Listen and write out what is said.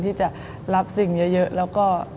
ที่จะรับสิ่งเยอะแล้วก็